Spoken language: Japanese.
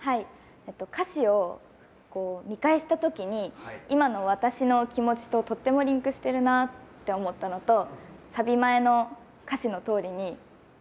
歌詞を見返した時に今の私の気持ちととてもリンクしてると思ったのとサビ前の歌詞のとおりに私